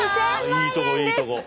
いいとこいいとこ。